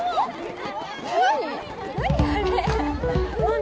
何？